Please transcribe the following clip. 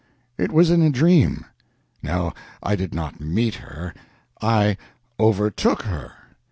It was in a dream. No, I did not meet her; I overtook her.